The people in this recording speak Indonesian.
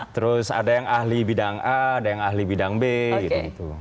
terus ada yang ahli bidang a ada yang ahli bidang b gitu